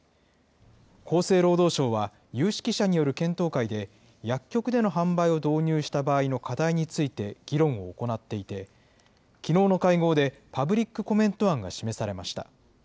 厚生労働省は、有識者による検討会で、薬局での販売を導入した場合の課題について議論を行っていて、きのうの会合でパブリックコメント案が示されました。